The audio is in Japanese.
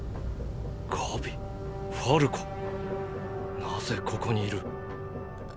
ガビファルコなぜここにいる？